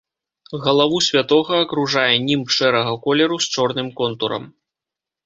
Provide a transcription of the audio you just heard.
Галаву святога акружае німб шэрага колеру з чорным контурам.